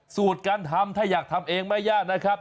สูตรการทำถ้าอยากทำเองไม่ยากนะครับ